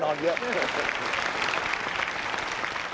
ครับผมผมหยุดนอนเยอะ